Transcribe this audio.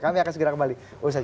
kami akan segera kembali